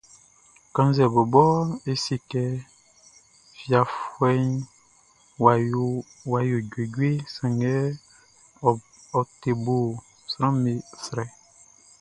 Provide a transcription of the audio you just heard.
Kannzɛ bɔbɔ e se kɛ fiafuɛʼn wʼa yo juejueʼn, sanngɛ ɔ te bo sranʼm be srɛ.